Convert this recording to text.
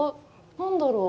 何だろう？